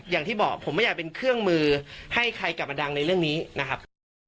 อย่างที่บอกผมไม่อยากเป็นเครื่องมือให้ใครกลับมาดังในเรื่องนี้นะครับ